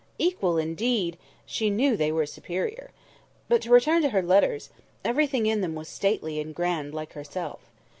Equal, indeed! she knew they were superior. But to return to her letters. Everything in them was stately and grand like herself.